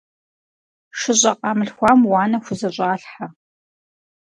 ШыщӀэ къамылъхуам уанэ хузэщӀалъхьэ.